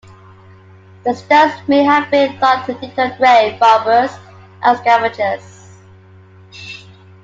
The stones may have been thought to deter grave robbers and scavengers.